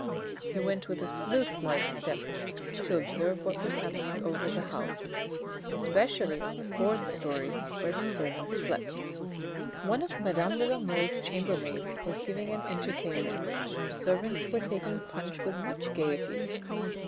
He went with a sleuth like step to observe what was happen ing over the house, especially on the fourth storey where the servants slept. There was nothing unusual. One of madame de la Mole's chambermaids was giving an entertain ment, the servants were taking punch with much gaiety.